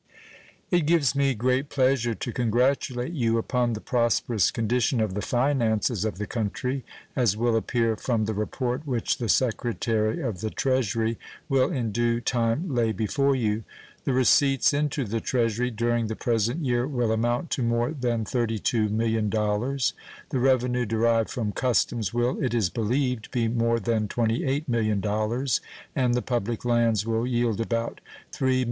It gives me great pleasure to congratulate you upon the prosperous condition of the finances of the country, as will appear from the report which the Secretary of the Treasury will in due time lay before you. The receipts into the Treasury during the present year will amount to more than $32,000,000. The revenue derived from customs will, it is believed, be more than $28,000,000, and the public lands will yield about $3,0900,000.